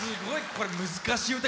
これ、難しい歌。